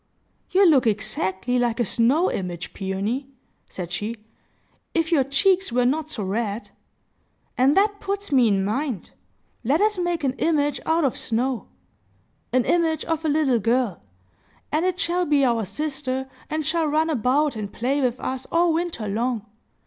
"You look exactly like a snow image, Peony," said she, "if your cheeks were not so red. And that puts me in mind! Let us make an image out of snow,—an image of a little girl,—and it shall be our sister, and shall run about and play with us all winter long.